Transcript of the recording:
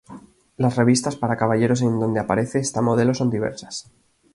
Las revistas para caballeros en donde aparece esta modelo son diversas.